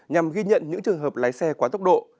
nhằm ghi nhận những trường hợp lái xe quá tốc độ